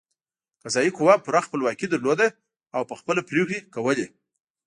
قضايي قوه پوره خپلواکي درلوده او په خپله پرېکړې کولې.